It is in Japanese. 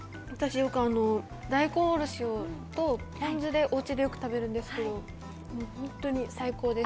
私、よく大根おろしとポン酢でおうちでよく食べるんですけど、本当に最高です。